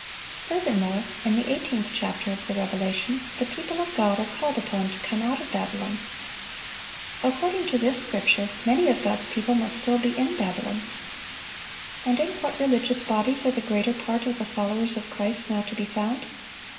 Furthermore, in the eighteenth chapter of the Revelation, the people of God are called upon to come out of Babylon. According to this scripture, many of God's people must still be in Babylon. And in what religious bodies are the greater part of the followers of Christ now to be found?